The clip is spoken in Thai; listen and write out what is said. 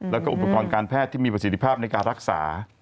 แล้วก็อุปกรณ์การแพทย์ที่มีประสิทธิภาพในการรักษา